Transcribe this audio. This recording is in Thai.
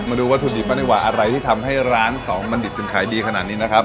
มาดูว่าสุดดีป่ะนี่หวะอะไรที่ทำให้ร้าน๒บันดิตถึงขายดีขนาดนี้นะครับ